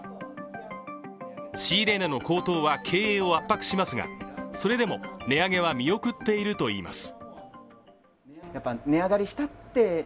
仕入れ値の高騰は経営を圧迫しますがそれでも値上げは見送っているといいます。